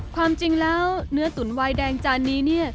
ความจริงแล้วเนื้อตุ๋นวายแดงจานนี้เนี่ย